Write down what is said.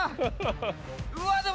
うわでも。